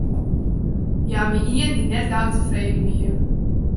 Hja wie ien dy't net gau tefreden wie.